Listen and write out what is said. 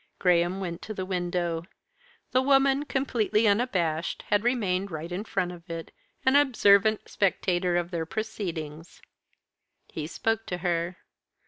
Graham went to the window. The woman, completely unabashed, had remained right in front of it, an observant spectator of their proceedings. He spoke to her.